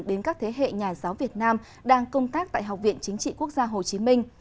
đến các thế hệ nhà giáo việt nam đang công tác tại học viện chính trị quốc gia hồ chí minh